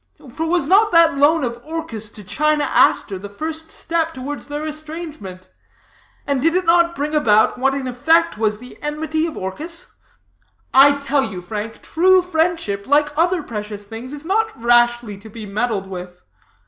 For was not that loan of Orchis to China Aster the first step towards their estrangement? And did it not bring about what in effect was the enmity of Orchis? I tell you, Frank, true friendship, like other precious things, is not rashly to be meddled with.